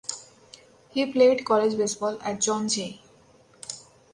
He played college baseball at John Jay.